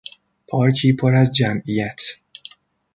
پارکی پر از جمعیت